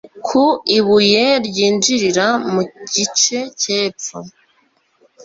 Ku ibuye ryinjirira mu gice cyepfo